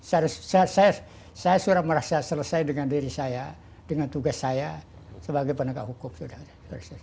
saya sudah merasa selesai dengan diri saya dengan tugas saya sebagai penegak hukum sudah ada